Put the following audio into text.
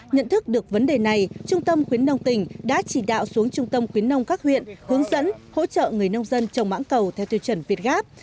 nhận thức được vấn đề này trung tâm khuyến nông tỉnh đã chỉ đạo xuống trung tâm khuyến nông các huyện hướng dẫn hỗ trợ người nông dân trồng mã cầu theo tiêu chuẩn việt gáp